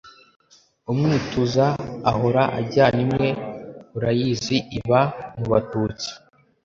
Umwituza ahora ajyana imwe urayizi iba mu Batutsi